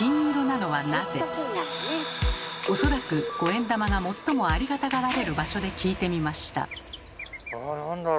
恐らく五円玉が最もありがたがられる場所で聞いてみました。